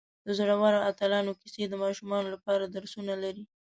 د زړورو اتلانو کیسې د ماشومانو لپاره درسونه لري.